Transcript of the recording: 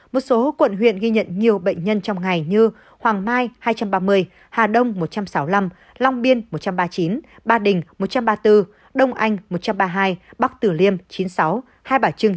một số quận huyện ghi nhận nhiều bệnh nhân trong ngày như hoàng mai hai trăm ba mươi hà đông một trăm sáu mươi năm long biên một trăm ba mươi chín ba đình một trăm ba mươi bốn đông anh một trăm ba mươi hai bắc tử liêm chín mươi sáu hai bà trưng